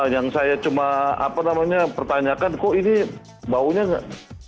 yang saya cuma pertanyakan kok ini baunya nggak